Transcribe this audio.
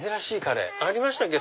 ありましたっけ？